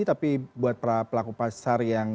tapi buat para pelaku pasar yang